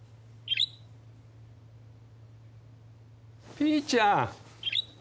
ピーちゃん！